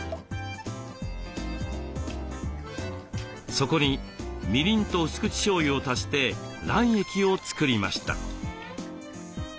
そこにみりんとうす口しょうゆを足して卵液を作りました。